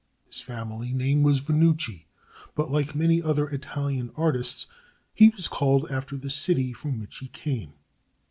His family name was Vannucci; but like many other Italian artists he was called after the city from which he came.